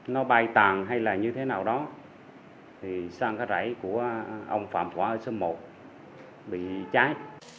nó bay tàn hay là như thế nào đó thì sang cái rãi của ông phạm quả ở xóm một bị cháy